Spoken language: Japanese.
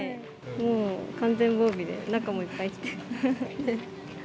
もう完全防備で中もいっぱい着て。